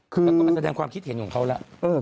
คือเอามาแสดงความการคิดเห็นของเขาล่ะ